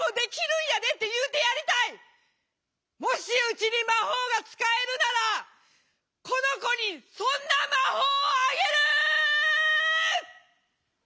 もしうちに魔法が使えるならこの子にそんな魔法をあげる」。